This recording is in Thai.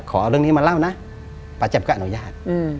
ขอเรื่องนี้มาเล่านะป่าแจมก็อนุญาต